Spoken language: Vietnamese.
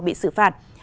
bị xử phạt